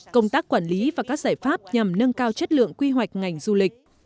công tác quản lý và các giải pháp nhằm nâng cao chất lượng quy hoạch ngành du lịch